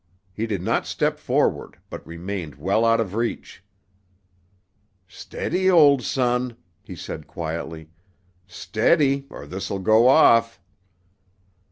He did not step forward, but remained well out of reach. "Steady, old son," he said quietly, "steady, or this'll go off."